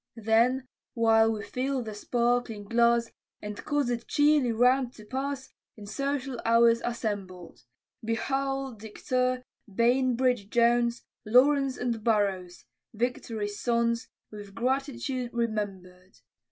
Then, while we fill the sparkling glass, And cause it cheerly round to pass, In social hours assembled; Be Hull, Decatur, Bainbridge, Jones, Lawrence and Burrows Victory's sons, With gratitude remember'd.